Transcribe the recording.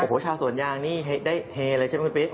โอ้โหชาวสวนยางนี่ได้เฮเลยใช่ไหมคุณปิ๊ก